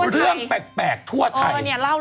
เรื่องแปลกทั่วไทย